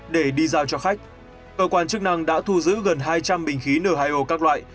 để đi giao cho khách cơ quan chức năng đã thu giữ gần hai trăm linh bình khí n hai o các loại